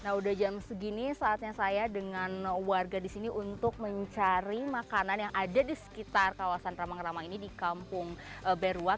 nah udah jam segini saatnya saya dengan warga di sini untuk mencari makanan yang ada di sekitar kawasan ramang ramang ini di kampung beruang